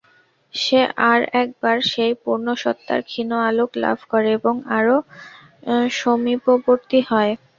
সে আর একবার সেই পূর্ণসত্তার ক্ষীণ আলোক লাভ করে এবং আরও সমীপবর্তী হয়।